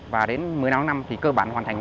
và đến một mươi tháng năm thì cơ bản hoàn thành